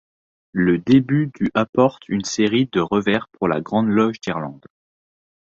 Le début du apporte une série de revers pour la Grande Loge d'Irlande.